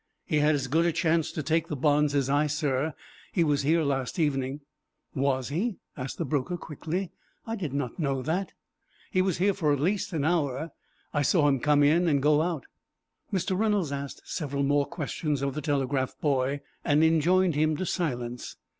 "He had as good a chance to take the bonds as I, sir. He was here last evening." "Was he?" asked the broker, quickly. "I did not know that." "He was here for an hour at least. I saw him come in and go out." Mr. Reynolds asked several more questions of the telegraph boy, and enjoined him to silence.